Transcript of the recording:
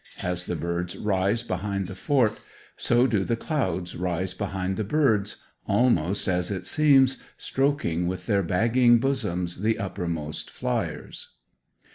As the birds rise behind the fort, so do the clouds rise behind the birds, almost as it seems, stroking with their bagging bosoms the uppermost flyers.